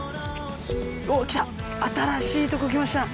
おぉきた新しいとこきました。